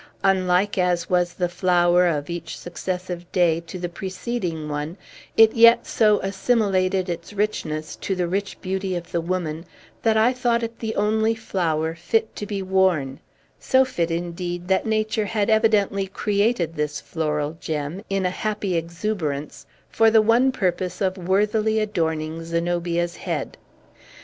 Unlike as was the flower of each successive day to the preceding one, it yet so assimilated its richness to the rich beauty of the woman, that I thought it the only flower fit to be worn; so fit, indeed, that Nature had evidently created this floral gem, in a happy exuberance, for the one purpose of worthily adorning Zenobia's head.